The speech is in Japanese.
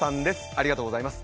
ありがとうございます。